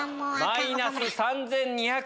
マイナス３２００円。